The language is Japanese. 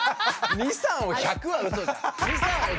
２３を１００はうそじゃん。